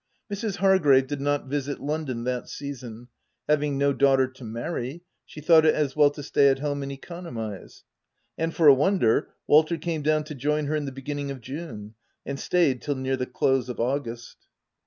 Mrs. Har grave did not visit London that season : having no daughter to marry, she thought it as well to stay at home and economise ; and, for a won der, Walter came down to join her in the be ginning of June and stayed till near the close of August.